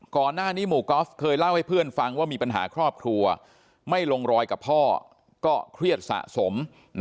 ก่อนหน้านี้หมู่กอล์ฟเคยเล่าให้เพื่อนฟังว่ามีปัญหาครอบครัวไม่ลงรอยกับพ่อก็เครียดสะสม